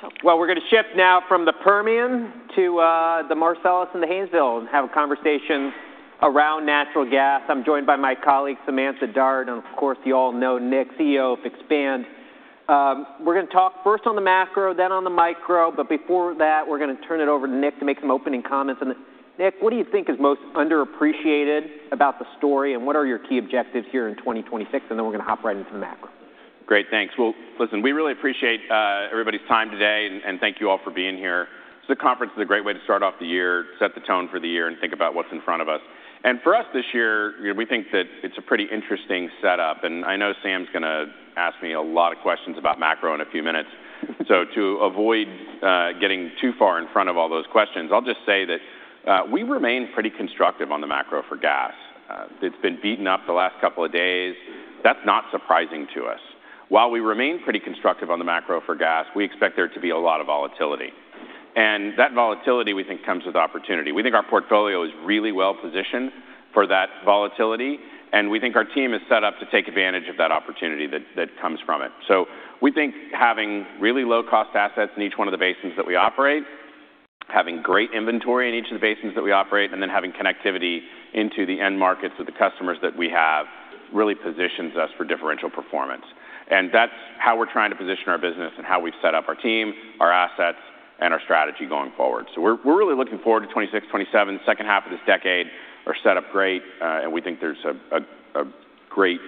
Thanks, Joe. Well, we're going to shift now from the Permian to the Marcellus and the Haynesville, and have a conversation around natural gas. I'm joined by my colleague, Samantha Dart, and of course, you all know Nick, CEO of Expand. We're going to talk first on the Macro, then on the micro, but before that, we're going to turn it over to Nick to make some opening comments. Nick, what do you think is most underappreciated about the story, and what are your key objectives here in 2026? And then we're going to hop right into the Macro. Great, thanks. Well, listen, we really appreciate everybody's time today, and thank you all for being here. This conference is a great way to start off the year, set the tone for the year, and think about what's in front of us. And for us this year, we think that it's a pretty interesting setup. And I know Sam's going to ask me a lot of questions about Macro in a few minutes. So to avoid getting too far in front of all those questions, I'll just say that we remain pretty constructive on the Macro for gas. It's been beaten up the last couple of days. That's not surprising to us. While we remain pretty constructive on the Macro for gas, we expect there to be a lot of volatility. And that volatility, we think, comes with opportunity. We think our portfolio is really well positioned for that volatility, and we think our team is set up to take advantage of that opportunity that comes from it. So we think having really low-cost assets in each one of the basins that we operate, having great inventory in each of the basins that we operate, and then having connectivity into the end markets with the customers that we have really positions us for differential performance. And that's how we're trying to position our business and how we've set up our team, our assets, and our strategy going forward. So we're really looking forward to 2026, 2027, second half of this decade are set up great, and we think there's a great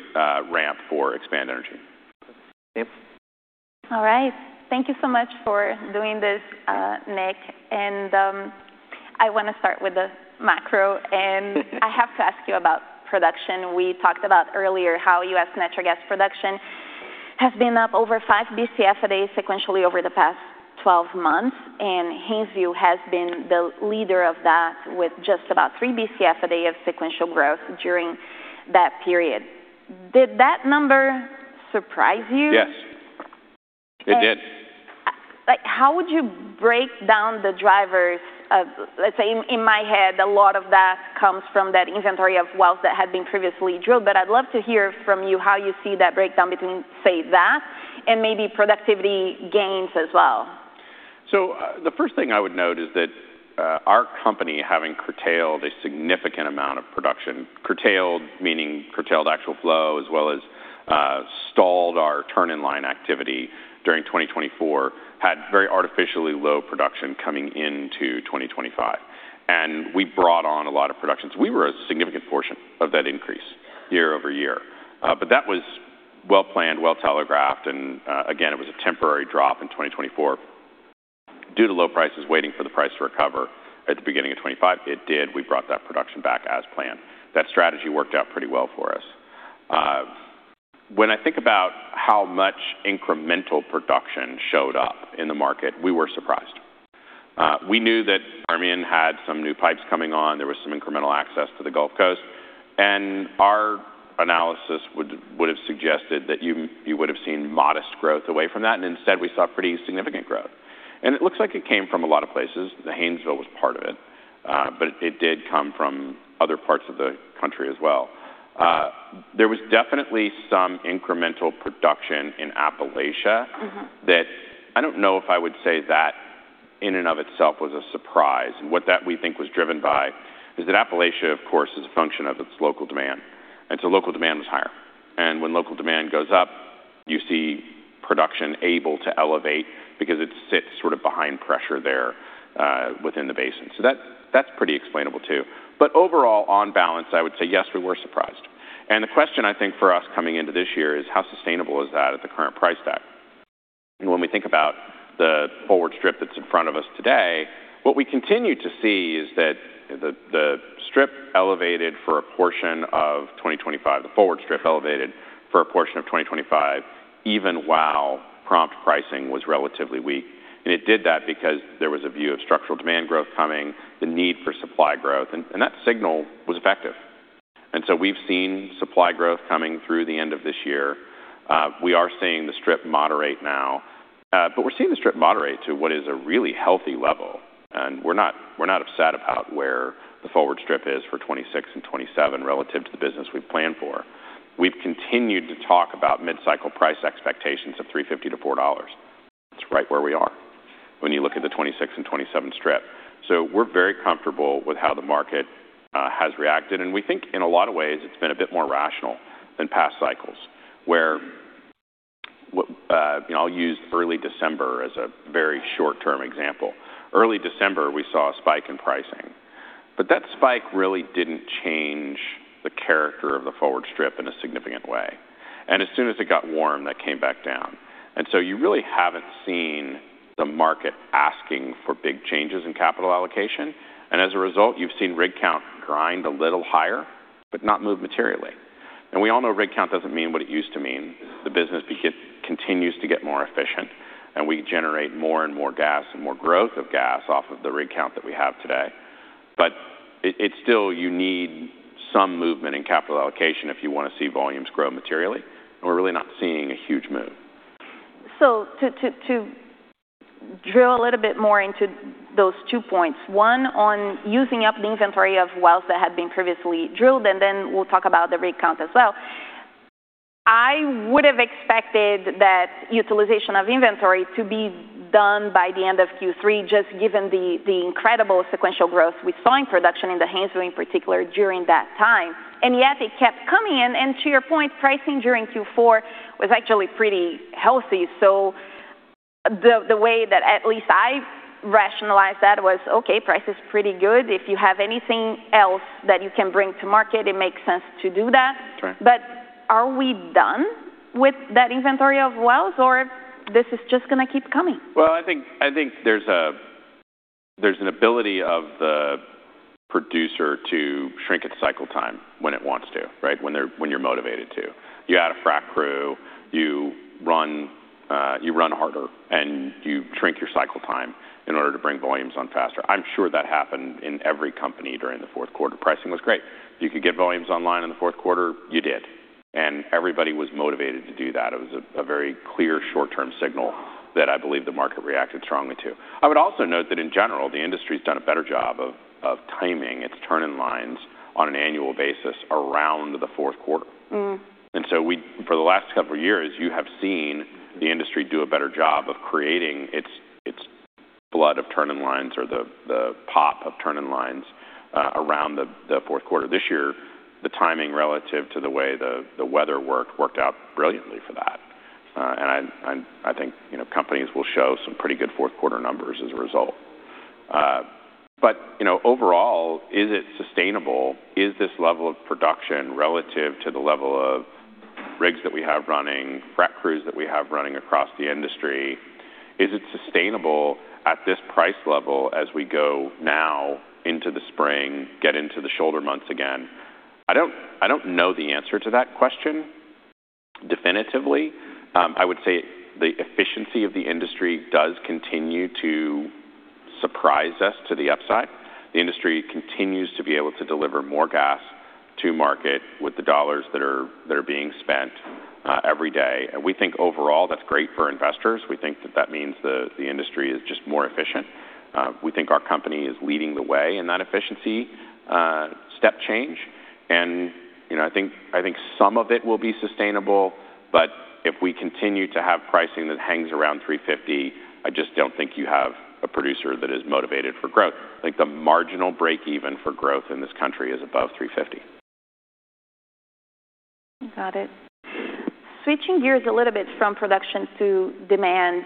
ramp for Expand Energy. All right. Thank you so much for doing this, Nick. And I want to start with the Macro, and I have to ask you about production. We talked about earlier how U.S. natural gas production has been up over 5 bcf a day sequentially over the past 12 months, and Haynesville has been the leader of that with just about 3 bcf a day of sequential growth during that period. Did that number surprise you? Yes. It did. How would you break down the drivers? Let's say, in my head, a lot of that comes from that inventory of wells that had been previously drilled, but I'd love to hear from you how you see that breakdown between, say, that and maybe productivity gains as well. So the first thing I would note is that our company, having curtailed a significant amount of production, curtailed, meaning curtailed actual flow, as well as stalled our turn-in line activity during 2024, had very artificially low production coming into 2025. And we brought on a lot of production. So we were a significant portion of that increase year over year. But that was well planned, well telegraphed, and again, it was a temporary drop in 2024 due to low prices, waiting for the price to recover at the beginning of 2025. It did. We brought that production back as planned. That strategy worked out pretty well for us. When I think about how much incremental production showed up in the market, we were surprised. We knew that Permian had some new pipes coming on. There was some incremental access to the Gulf Coast. Our analysis would have suggested that you would have seen modest growth away from that. Instead, we saw pretty significant growth. It looks like it came from a lot of places. The Haynesville was part of it, but it did come from other parts of the country as well. There was definitely some incremental production in Appalachia that I don't know if I would say that in and of itself was a surprise. What that we think was driven by is that Appalachia, of course, is a function of its local demand. Local demand was higher. When local demand goes up, you see production able to elevate because it sits sort of behind pressure there within the basin. That's pretty explainable too. Overall, on balance, I would say, yes, we were surprised. The question, I think, for us coming into this year is, how sustainable is that at the current price tag? When we think about the forward strip that's in front of us today, what we continue to see is that the strip elevated for a portion of 2025, the forward strip elevated for a portion of 2025, even while prompt pricing was relatively weak. It did that because there was a view of structural demand growth coming, the need for supply growth, and that signal was effective. So we've seen supply growth coming through the end of this year. We are seeing the strip moderate now, but we're seeing the strip moderate to what is a really healthy level. We're not upset about where the forward strip is for 2026 and 2027 relative to the business we've planned for. We've continued to talk about mid-cycle price expectations of $3.50-$4. It's right where we are when you look at the 2026 and 2027 strip. So we're very comfortable with how the market has reacted. And we think in a lot of ways, it's been a bit more rational than past cycles where I'll use early December as a very short-term example. Early December, we saw a spike in pricing, but that spike really didn't change the character of the forward strip in a significant way. And as soon as it got warm, that came back down. And so you really haven't seen the market asking for big changes in capital allocation. And as a result, you've seen rig count grind a little higher, but not move materially. And we all know rig count doesn't mean what it used to mean. The business continues to get more efficient, and we generate more and more gas and more growth of gas off of the rig count that we have today, but it's still, you need some movement in capital allocation if you want to see volumes grow materially, and we're really not seeing a huge move. So to drill a little bit more into those two points, one on using up the inventory of wells that had been previously drilled, and then we'll talk about the rig count as well. I would have expected that utilization of inventory to be done by the end of Q3, just given the incredible sequential growth we saw in production in the Haynesville in particular during that time. And yet it kept coming in. And to your point, pricing during Q4 was actually pretty healthy. So the way that at least I rationalized that was, okay, price is pretty good. If you have anything else that you can bring to market, it makes sense to do that. But are we done with that inventory of wells, or this is just going to keep coming? I think there's an ability of the producer to shrink its cycle time when it wants to, right, when you're motivated to. You add a frac crew, you run harder, and you shrink your cycle time in order to bring volumes on faster. I'm sure that happened in every company during the fourth quarter. Pricing was great. You could get volumes online in the fourth quarter. You did. Everybody was motivated to do that. It was a very clear short-term signal that I believe the market reacted strongly to. I would also note that in general, the industry has done a better job of timing its turn-in lines on an annual basis around the fourth quarter. And so for the last couple of years, you have seen the industry do a better job of creating its cadence of turn-in lines or the pace of turn-in lines around the fourth quarter. This year, the timing relative to the way the weather worked out brilliantly for that. And I think companies will show some pretty good fourth-quarter numbers as a result. But overall, is it sustainable? Is this level of production relative to the level of rigs that we have running, frac crews that we have running across the industry? Is it sustainable at this price level as we go now into the spring, get into the shoulder months again? I don't know the answer to that question definitively. I would say the efficiency of the industry does continue to surprise us to the upside. The industry continues to be able to deliver more gas to market with the dollars that are being spent every day. And we think overall, that's great for investors. We think that that means the industry is just more efficient. We think our company is leading the way in that efficiency step change. And I think some of it will be sustainable, but if we continue to have pricing that hangs around $3.50, I just don't think you have a producer that is motivated for growth. I think the marginal break-even for growth in this country is above $3.50. Got it. Switching gears a little bit from production to demand.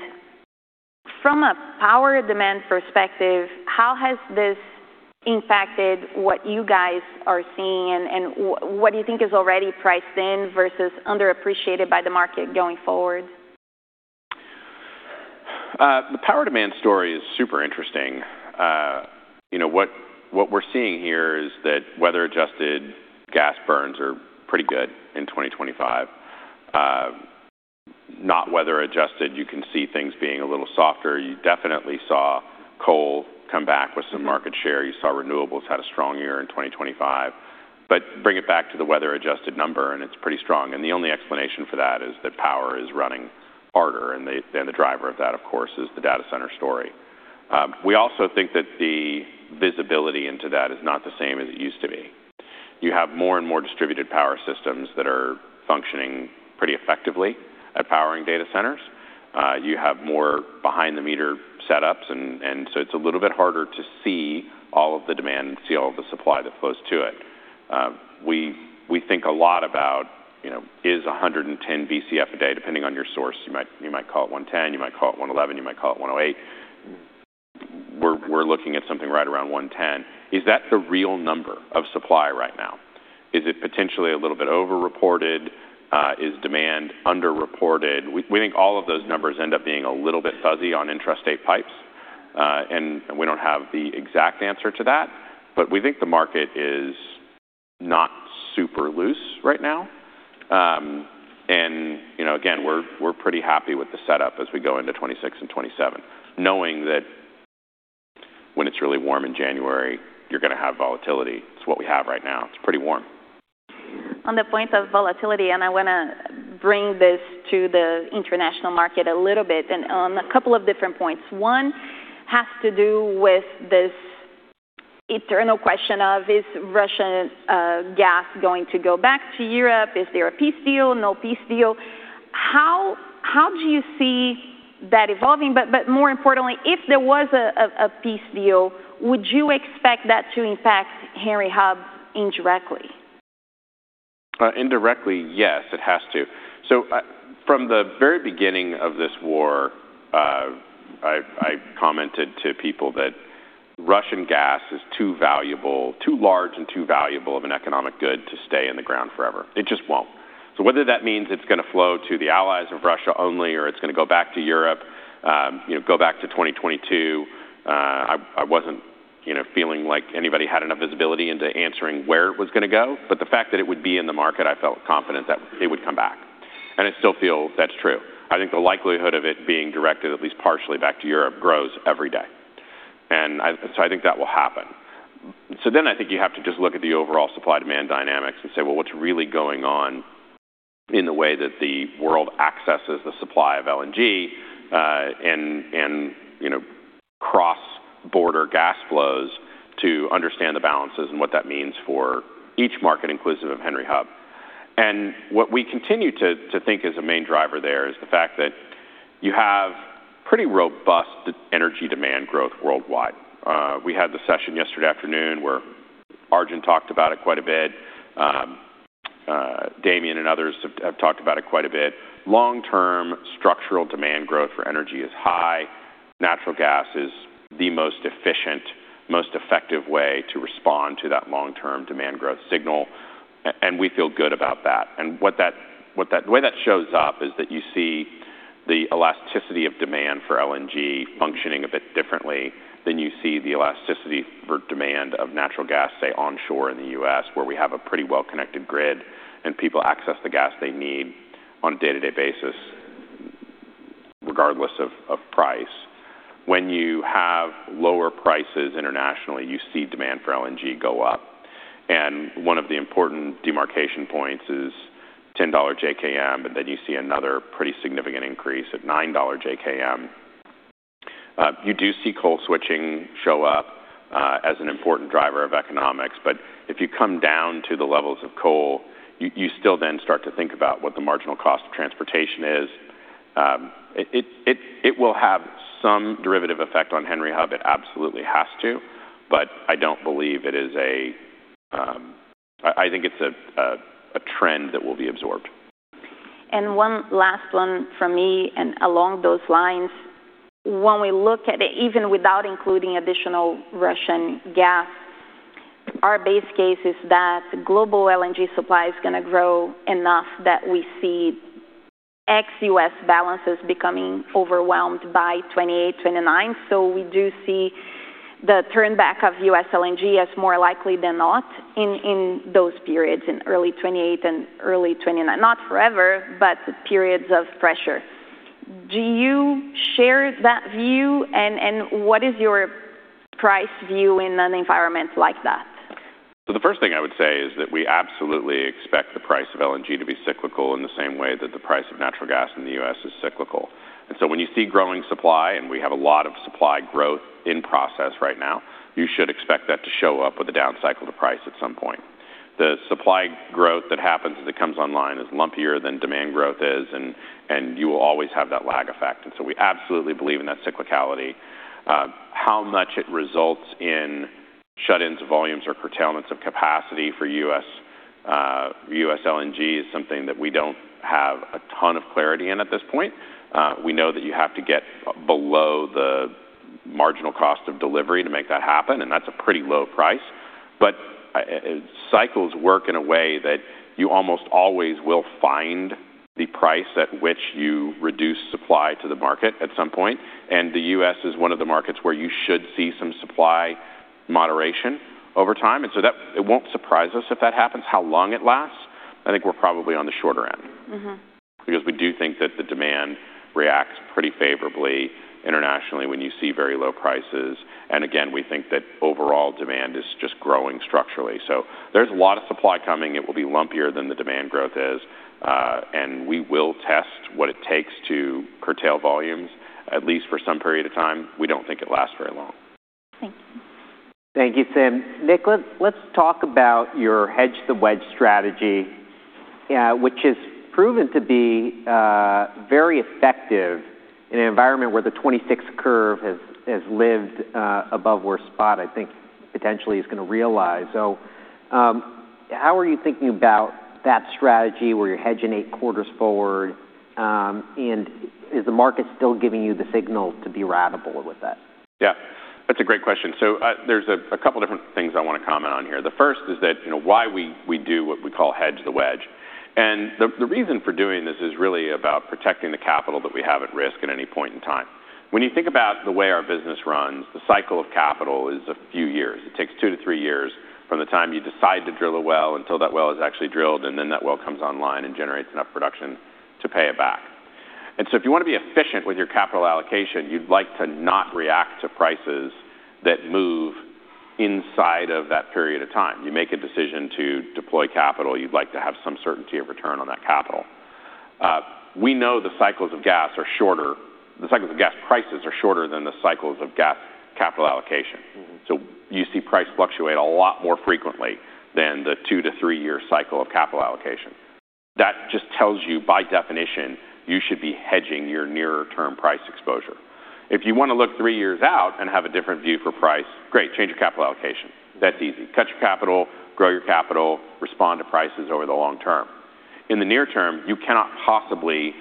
From a power demand perspective, how has this impacted what you guys are seeing, and what do you think is already priced in versus underappreciated by the market going forward? The power demand story is super interesting. What we're seeing here is that weather-adjusted gas burns are pretty good in 2025. Not weather-adjusted, you can see things being a little softer. You definitely saw coal come back with some market share. You saw renewables had a strong year in 2025, but bring it back to the weather-adjusted number, and it's pretty strong, and the only explanation for that is that power is running harder, and the driver of that, of course, is the data center story. We also think that the visibility into that is not the same as it used to be. You have more and more distributed power systems that are functioning pretty effectively at powering data centers. You have more behind-the-meter setups, and so it's a little bit harder to see all of the demand and see all of the supply that flows to it. We think a lot about is 110 bcf a day, depending on your source. You might call it 110, you might call it 111, you might call it 108. We're looking at something right around 110. Is that the real number of supply right now? Is it potentially a little bit overreported? Is demand underreported? We think all of those numbers end up being a little bit fuzzy on interstate pipes, and we don't have the exact answer to that. But we think the market is not super loose right now. And again, we're pretty happy with the setup as we go into 2026 and 2027, knowing that when it's really warm in January, you're going to have volatility. It's what we have right now. It's pretty warm. On the point of volatility, and I want to bring this to the international market a little bit and on a couple of different points. One has to do with this internal question of, is Russian gas going to go back to Europe? Is there a peace deal? No peace deal? How do you see that evolving? But more importantly, if there was a peace deal, would you expect that to impact Henry Hub indirectly? Indirectly, yes, it has to. So from the very beginning of this war, I commented to people that Russian gas is too valuable, too large and too valuable of an economic good to stay in the ground forever. It just won't. So whether that means it's going to flow to the allies of Russia only or it's going to go back to Europe, go back to 2022, I wasn't feeling like anybody had enough visibility into answering where it was going to go. But the fact that it would be in the market, I felt confident that it would come back. And I still feel that's true. I think the likelihood of it being directed, at least partially, back to Europe grows every day. And so I think that will happen. So then I think you have to just look at the overall supply-demand dynamics and say, well, what's really going on in the way that the world accesses the supply of LNG and cross-border gas flows to understand the balances and what that means for each market, inclusive of Henry Hub. And what we continue to think is a main driver there is the fact that you have pretty robust energy demand growth worldwide. We had the session yesterday afternoon where Arjun talked about it quite a bit. Damien and others have talked about it quite a bit. Long-term structural demand growth for energy is high. Natural gas is the most efficient, most effective way to respond to that long-term demand growth signal. And we feel good about that. And the way that shows up is that you see the elasticity of demand for LNG functioning a bit differently than you see the elasticity for demand of natural gas, say, onshore in the U.S., where we have a pretty well-connected grid and people access the gas they need on a day-to-day basis, regardless of price. When you have lower prices internationally, you see demand for LNG go up. And one of the important demarcation points is $10 JKM, and then you see another pretty significant increase at $9 JKM. You do see coal switching show up as an important driver of economics. But if you come down to the levels of coal, you still then start to think about what the marginal cost of transportation is. It will have some derivative effect on Henry Hub. It absolutely has to. But I think it's a trend that will be absorbed. And one last one from me and along those lines. When we look at it, even without including additional Russian gas, our base case is that global LNG supply is going to grow enough that we see ex-US balances becoming overwhelmed by 2028, 2029. So we do see the turnback of U.S. LNG as more likely than not in those periods, in early 2028 and early 2029. Not forever, but periods of pressure. Do you share that view, and what is your price view in an environment like that? So the first thing I would say is that we absolutely expect the price of LNG to be cyclical in the same way that the price of natural gas in the U.S. is cyclical. And so when you see growing supply, and we have a lot of supply growth in process right now, you should expect that to show up with a down cycle to price at some point. The supply growth that happens as it comes online is lumpier than demand growth is, and you will always have that lag effect. And so we absolutely believe in that cyclicality. How much it results in shut-ins, volumes, or curtailments of capacity for U.S. LNG is something that we don't have a ton of clarity in at this point. We know that you have to get below the marginal cost of delivery to make that happen, and that's a pretty low price. But cycles work in a way that you almost always will find the price at which you reduce supply to the market at some point. And the U.S. is one of the markets where you should see some supply moderation over time. And so it won't surprise us if that happens. How long it lasts, I think we're probably on the shorter end because we do think that the demand reacts pretty favorably internationally when you see very low prices? And again, we think that overall demand is just growing structurally. So there's a lot of supply coming. It will be lumpier than the demand growth is. And we will test what it takes to curtail volumes, at least for some period of time. We don't think it lasts very long. Thank you. Thank you, Sam. Nick, let's talk about your hedge-to-wedge strategy, which has proven to be very effective in an environment where the '26 curve has lived above where Spot, I think, potentially is going to realize. So how are you thinking about that strategy where you're hedging eight quarters forward? And is the market still giving you the signal to be ratable with that? Yeah. That's a great question. So there's a couple of different things I want to comment on here. The first is that why we do what we call Hedge-to-Wedge. And the reason for doing this is really about protecting the capital that we have at risk at any point in time. When you think about the way our business runs, the cycle of capital is a few years. It takes two to three years from the time you decide to drill a well until that well is actually drilled, and then that well comes online and generates enough production to pay it back. And so if you want to be efficient with your capital allocation, you'd like to not react to prices that move inside of that period of time. You make a decision to deploy capital, you'd like to have some certainty of return on that capital. We know the cycles of gas are shorter. The cycles of gas prices are shorter than the cycles of gas capital allocation. So you see price fluctuate a lot more frequently than the two- to three-year cycle of capital allocation. That just tells you by definition, you should be hedging your nearer-term price exposure. If you want to look three years out and have a different view for price, great, change your capital allocation. That's easy. Cut your capital, grow your capital, respond to prices over the long term. In the near term, you cannot possibly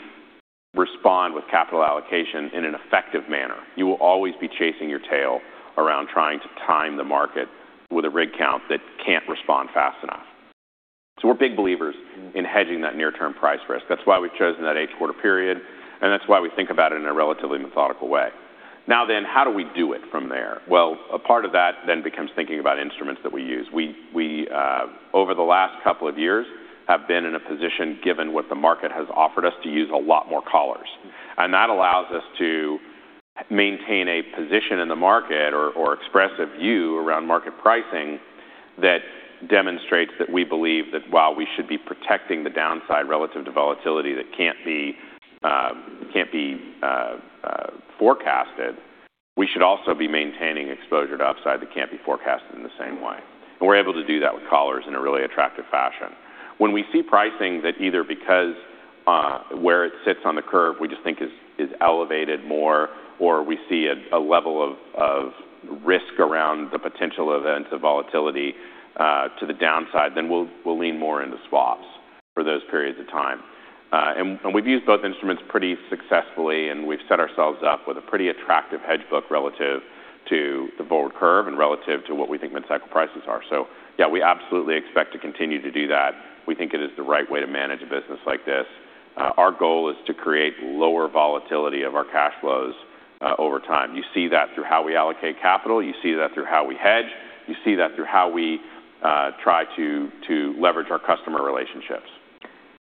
respond with capital allocation in an effective manner. You will always be chasing your tail around trying to time the market with a rig count that can't respond fast enough. So we're big believers in hedging that near-term price risk. That's why we've chosen that eight-quarter period, and that's why we think about it in a relatively methodical way. Now then, how do we do it from there? Well, a part of that then becomes thinking about instruments that we use. We, over the last couple of years, have been in a position given what the market has offered us to use a lot more collars. And that allows us to maintain a position in the market or express a view around market pricing that demonstrates that we believe that while we should be protecting the downside relative to volatility that can't be forecasted, we should also be maintaining exposure to upside that can't be forecasted in the same way. And we're able to do that with collars in a really attractive fashion. When we see pricing that either because where it sits on the curve we just think is elevated more, or we see a level of risk around the potential events of volatility to the downside, then we'll lean more into swaps for those periods of time. And we've used both instruments pretty successfully, and we've set ourselves up with a pretty attractive hedge book relative to the forward curve and relative to what we think mid-cycle prices are. So yeah, we absolutely expect to continue to do that. We think it is the right way to manage a business like this. Our goal is to create lower volatility of our cash flows over time. You see that through how we allocate capital. You see that through how we hedge. You see that through how we try to leverage our customer relationships.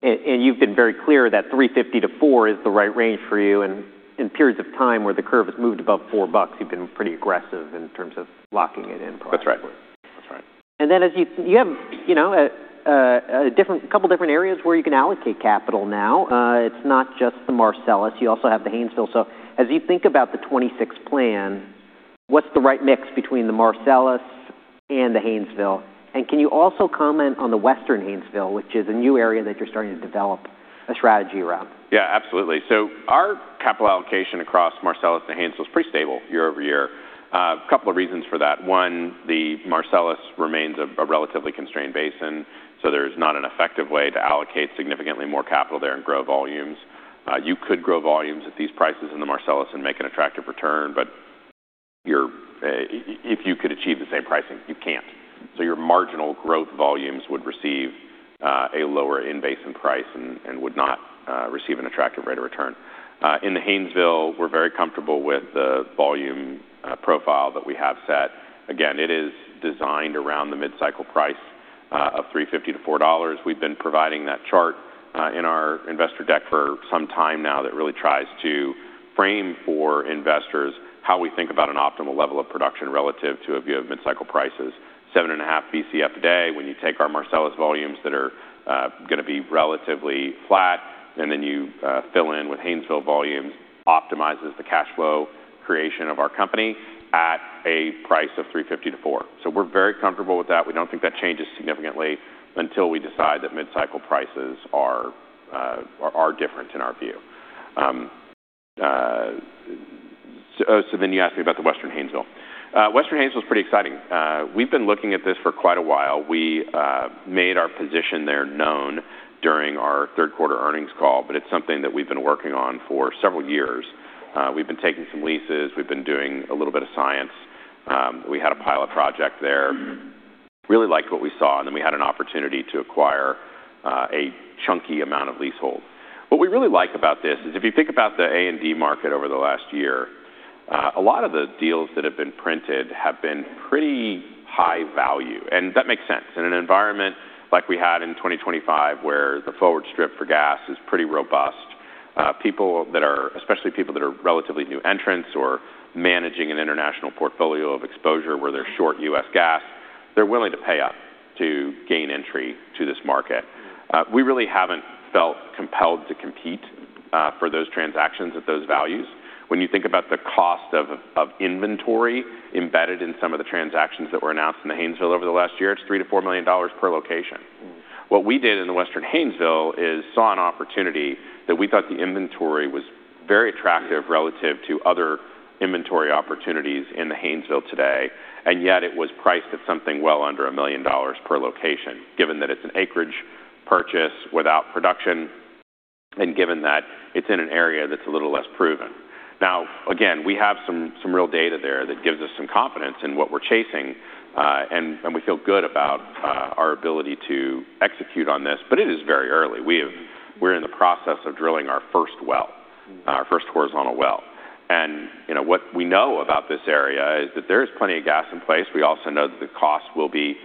You've been very clear that $3.50-$4 is the right range for you. In periods of time where the curve has moved above $4, you've been pretty aggressive in terms of locking it in. That's right. That's right. And then you have a couple of different areas where you can allocate capital now. It's not just the Marcellus. You also have the Haynesville. So as you think about the 2026 plan, what's the right mix between the Marcellus and the Haynesville? And can you also comment on the Western Haynesville, which is a new area that you're starting to develop a strategy around? Yeah, absolutely. So our capital allocation across Marcellus and Haynesville is pretty stable year over year. A couple of reasons for that. One, the Marcellus remains a relatively constrained basin, so there's not an effective way to allocate significantly more capital there and grow volumes. You could grow volumes at these prices in the Marcellus and make an attractive return, but if you could achieve the same pricing, you can't. So your marginal growth volumes would receive a lower in-basin price and would not receive an attractive rate of return. In the Haynesville, we're very comfortable with the volume profile that we have set. Again, it is designed around the mid-cycle price of $3.50-$4. We've been providing that chart in our investor deck for some time now that really tries to frame for investors how we think about an optimal level of production relative to a view of mid-cycle prices. 7.5 bcf a day when you take our Marcellus volumes that are going to be relatively flat, and then you fill in with Haynesville volumes, optimizes the cash flow creation of our company at a price of $3.50-$4. So we're very comfortable with that. We don't think that changes significantly until we decide that mid-cycle prices are different in our view. So then you asked me about the Western Haynesville. Western Haynesville is pretty exciting. We've been looking at this for quite a while. We made our position there known during our third-quarter earnings call, but it's something that we've been working on for several years. We've been taking some leases. We've been doing a little bit of science. We had a pilot project there. Really liked what we saw, and then we had an opportunity to acquire a chunky amount of leasehold. What we really like about this is if you think about the A&D market over the last year, a lot of the deals that have been printed have been pretty high value, and that makes sense. In an environment like we had in 2025, where the forward strip for gas is pretty robust, especially people that are relatively new entrants or managing an international portfolio of exposure where they're short US gas, they're willing to pay up to gain entry to this market. We really haven't felt compelled to compete for those transactions at those values. When you think about the cost of inventory embedded in some of the transactions that were announced in the Haynesville over the last year, it's $3-$4 million per location. What we did in the Western Haynesville is saw an opportunity that we thought the inventory was very attractive relative to other inventory opportunities in the Haynesville today, and yet it was priced at something well under a million dollars per location, given that it's an acreage purchase without production and given that it's in an area that's a little less proven. Now, again, we have some real data there that gives us some confidence in what we're chasing, and we feel good about our ability to execute on this, but it is very early. We're in the process of drilling our first well, our first horizontal well. What we know about this area is that there is plenty of gas in place. We also know that the cost will be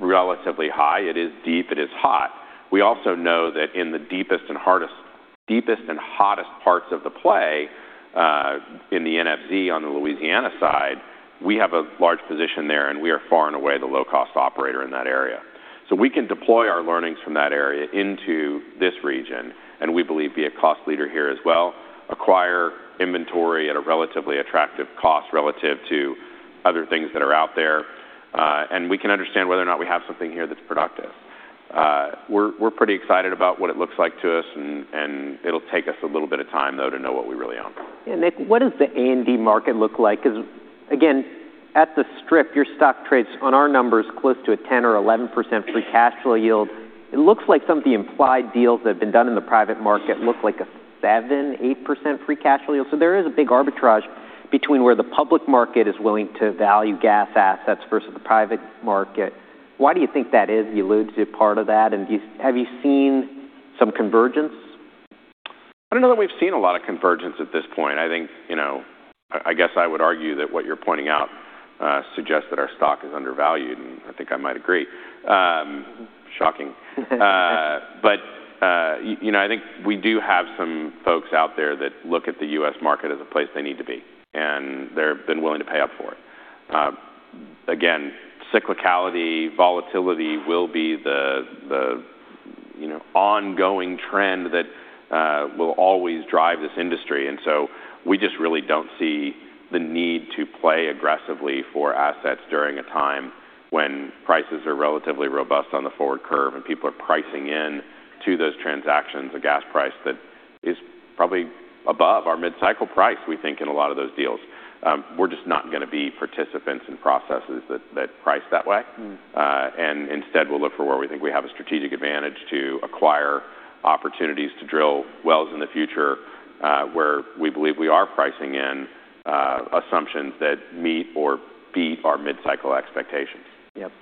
relatively high. It is deep. It is hot. We also know that in the deepest and hottest parts of the play in the MFC on the Louisiana side, we have a large position there, and we are far and away the low-cost operator in that area. We can deploy our learnings from that area into this region, and we believe be a cost leader here as well, acquire inventory at a relatively attractive cost relative to other things that are out there, and we can understand whether or not we have something here that's productive. We're pretty excited about what it looks like to us, and it'll take us a little bit of time, though, to know what we really own. Yeah. Nick, what does the A&D market look like? Because again, at the strip, your stock trades on our numbers close to a 10% or 11% free cash flow yield. It looks like some of the implied deals that have been done in the private market look like a 7-8% free cash flow yield. So there is a big arbitrage between where the public market is willing to value gas assets versus the private market. Why do you think that is? You alluded to part of that. And have you seen some convergence? I don't know that we've seen a lot of convergence at this point. I guess I would argue that what you're pointing out suggests that our stock is undervalued, and I think I might agree. Shocking. But I think we do have some folks out there that look at the U.S. market as a place they need to be, and they've been willing to pay up for it. Again, cyclicality, volatility will be the ongoing trend that will always drive this industry. And so we just really don't see the need to play aggressively for assets during a time when prices are relatively robust on the forward curve and people are pricing into those transactions a gas price that is probably above our mid-cycle price, we think, in a lot of those deals. We're just not going to be participants in processes that price that way. Instead, we'll look for where we think we have a strategic advantage to acquire opportunities to drill wells in the future where we believe we are pricing in assumptions that meet or beat our mid-cycle expectations. Yep.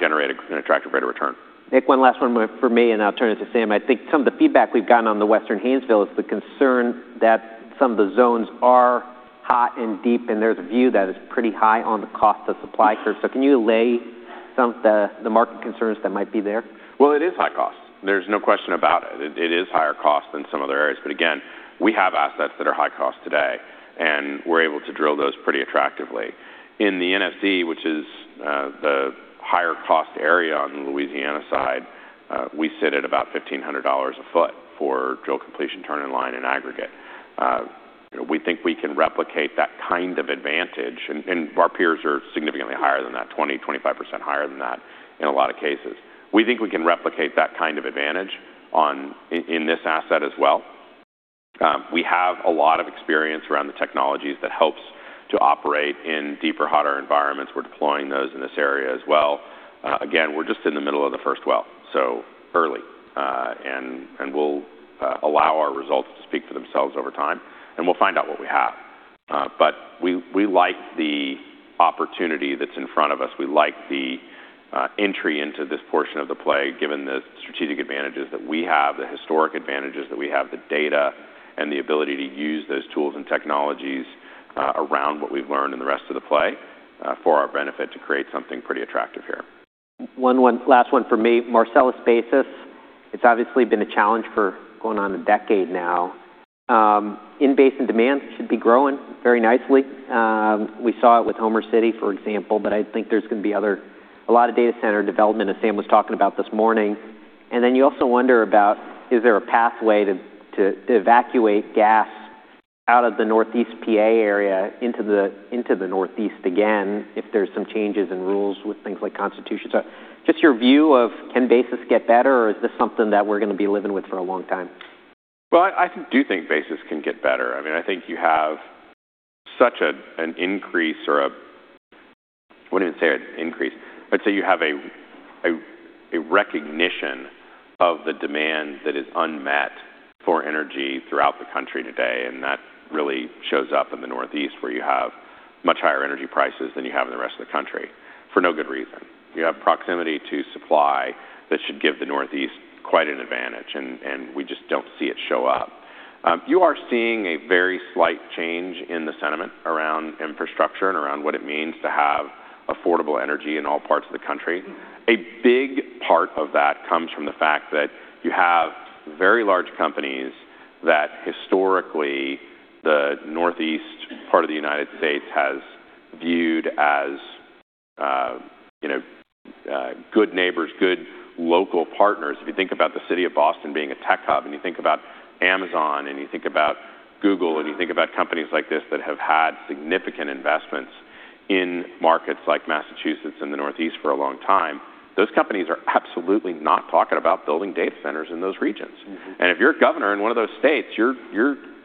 Generate an attractive rate of return. Nick, one last one for me, and I'll turn it to Sam. I think some of the feedback we've gotten on the Western Haynesville is the concern that some of the zones are hot and deep, and there's a view that it's pretty high on the cost of supply curve. So can you lay some of the market concerns that might be there? It is high cost. There's no question about it. It is higher cost than some other areas. But again, we have assets that are high cost today, and we're able to drill those pretty attractively. In the MFC, which is the higher cost area on the Louisiana side, we sit at about $1,500 a foot for drill completion turn-in line in aggregate. We think we can replicate that kind of advantage, and our peers are significantly higher than that, 20%-25% higher than that in a lot of cases. We think we can replicate that kind of advantage in this asset as well. We have a lot of experience around the technologies that help to operate in deeper, hotter environments. We're deploying those in this area as well. Again, we're just in the middle of the first well, so early, and we'll allow our results to speak for themselves over time, and we'll find out what we have. But we like the opportunity that's in front of us. We like the entry into this portion of the play, given the strategic advantages that we have, the historic advantages that we have, the data, and the ability to use those tools and technologies around what we've learned in the rest of the play for our benefit to create something pretty attractive here. One last one for me. Marcellus Basis, it's obviously been a challenge for going on a decade now. In-basin demand should be growing very nicely. We saw it with Homer City, for example, but I think there's going to be a lot of data center development, as Sam was talking about this morning. And then you also wonder about, is there a pathway to evacuate gas out of the Northeast PA area into the Northeast again if there's some changes in rules with things like Constitution? So just your view of, can Basis get better, or is this something that we're going to be living with for a long time? I do think Basis can get better. I mean, I think you have such an increase or a, I wouldn't even say an increase. I'd say you have a recognition of the demand that is unmet for energy throughout the country today, and that really shows up in the Northeast, where you have much higher energy prices than you have in the rest of the country for no good reason. You have proximity to supply that should give the Northeast quite an advantage, and we just don't see it show up. You are seeing a very slight change in the sentiment around infrastructure and around what it means to have affordable energy in all parts of the country. A big part of that comes from the fact that you have very large companies that historically the Northeast part of the United States has viewed as good neighbors, good local partners. If you think about the city of Boston being a tech hub, and you think about Amazon, and you think about Google, and you think about companies like this that have had significant investments in markets like Massachusetts and the Northeast for a long time, those companies are absolutely not talking about building data centers in those regions, and if you're a governor in one of those states, you're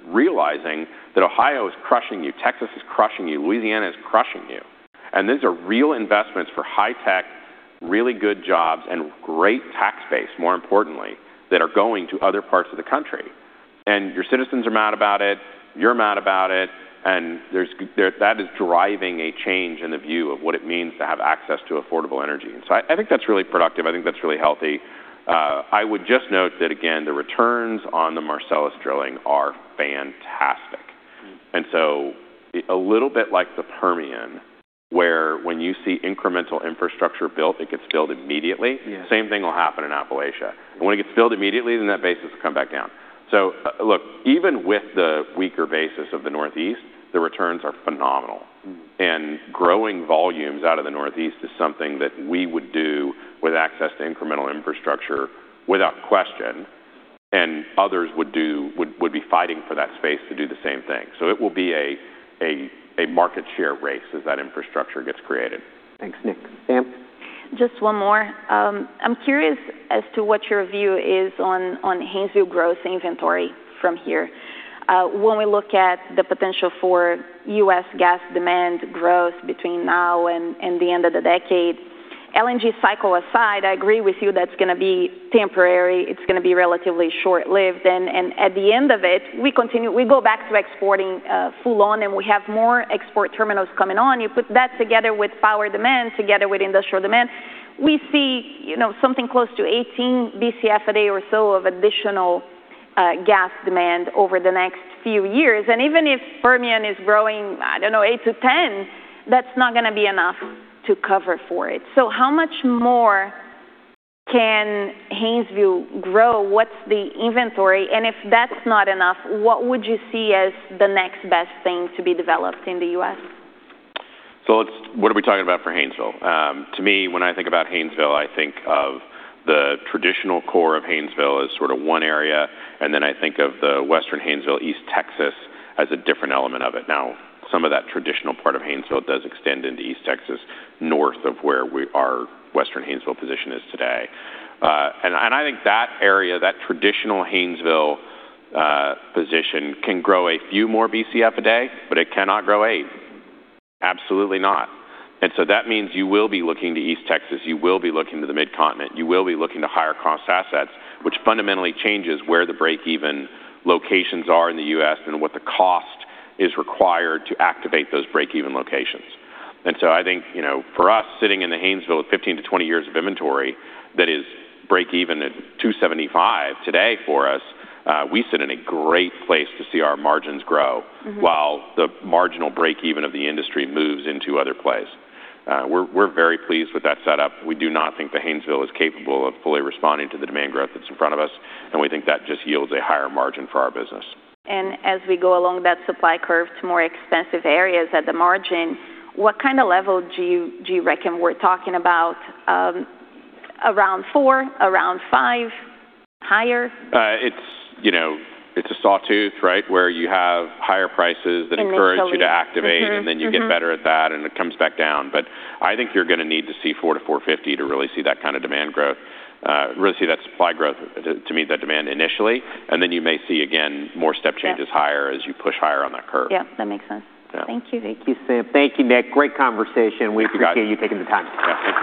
realizing that Ohio is crushing you. Texas is crushing you. Louisiana is crushing you, and these are real investments for high-tech, really good jobs, and great tax base, more importantly, that are going to other parts of the country, and your citizens are mad about it. You're mad about it, and that is driving a change in the view of what it means to have access to affordable energy. And so I think that's really productive. I think that's really healthy. I would just note that, again, the returns on the Marcellus drilling are fantastic. And so a little bit like the Permian, where when you see incremental infrastructure built, it gets filled immediately. Same thing will happen in Appalachia. And when it gets filled immediately, then that basis will come back down. So look, even with the weaker basis of the Northeast, the returns are phenomenal. And growing volumes out of the Northeast is something that we would do with access to incremental infrastructure without question, and others would be fighting for that space to do the same thing. So it will be a market share race as that infrastructure gets created. Thanks, Nick. Sam? Just one more. I'm curious as to what your view is on Haynesville growth inventory from here. When we look at the potential for U.S. gas demand growth between now and the end of the decade, LNG cycle aside, I agree with you that's going to be temporary. It's going to be relatively short-lived. And at the end of it, we go back to exporting full-on, and we have more export terminals coming on. You put that together with power demand, together with industrial demand, we see something close to 18 Bcf/d or so of additional gas demand over the next few years. And even if Permian is growing, I don't know, 8 to 10, that's not going to be enough to cover for it. So how much more can Haynesville grow? What's the inventory? If that's not enough, what would you see as the next best thing to be developed in the U.S.? So what are we talking about for Haynesville? To me, when I think about Haynesville, I think of the traditional core of Haynesville as sort of one area, and then I think of the Western Haynesville, East Texas, as a different element of it. Now, some of that traditional part of Haynesville does extend into East Texas, north of where our Western Haynesville position is today. And I think that area, that traditional Haynesville position, can grow a few more Bcf a day, but it cannot grow eight. Absolutely not. And so that means you will be looking to East Texas. You will be looking to the Mid-Continent. You will be looking to higher-cost assets, which fundamentally changes where the break-even locations are in the U.S. and what the cost is required to activate those break-even locations. And so I think for us, sitting in the Haynesville with 15-20 years of inventory that is break-even at $2.75 today for us, we sit in a great place to see our margins grow while the marginal break-even of the industry moves into other plays. We're very pleased with that setup. We do not think that Haynesville is capable of fully responding to the demand growth that's in front of us, and we think that just yields a higher margin for our business. As we go along that supply curve to more expensive areas at the margin, what kind of level do you reckon we're talking about? Around 4, around 5, higher? It's a sawtooth, right, where you have higher prices that encourage you to activate, and then you get better at that, and it comes back down, but I think you're going to need to see $4-$4.50 to really see that kind of demand growth, really see that supply growth to meet that demand initially, and then you may see, again, more step changes higher as you push higher on that curve. Yeah. That makes sense. Thank you. Thank you, Sam. Thank you, Nick. Great conversation. We appreciate you taking the time. Yeah. Thank you.